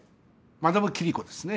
マダムキリコですね。